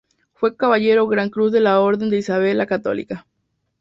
Fue Caballero Gran Cruz de la Orden de Isabel la Católica.